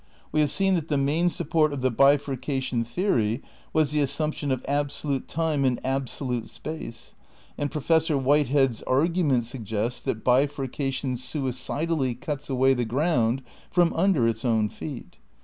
We have seen that the main support of the bifurca tion theory was the assumption of absolute time and absolute space, and Professor Whitehead's argument suggests that bifurcation suicidally cuts away the ground from under its own feet.